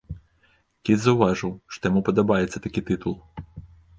Кіт заўважыў, што яму падабаецца такі тытул.